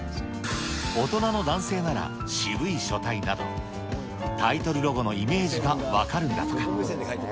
大人の男性なら渋い書体など、タイトルロゴのイメージが分かるんだとか。